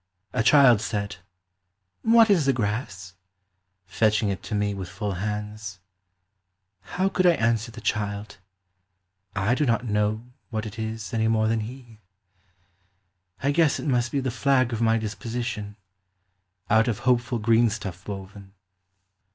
A child said What is the grass f fetching it to me with full hands ; How could I answer the child ? I do not know what it is any more than he. I guess it must be the flag of my disposition, out of hopeful green stuff woven.